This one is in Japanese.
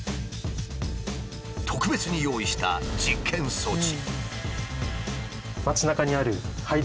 特別に用意した実験装置。